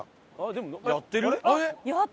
でもやってる？